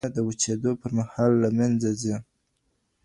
ویروسونه د وچېدو پر مهال له منځه ځي.